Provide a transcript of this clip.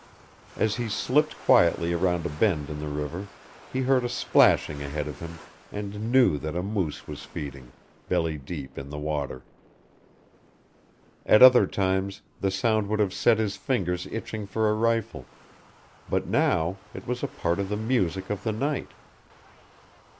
As he slipped quietly around a bend in the river he heard a splashing ahead of him, and knew that a moose was feeding, belly deep, in the water. At other times the sound would have set his fingers itching for a rifle, but now it was a part of the music of the night.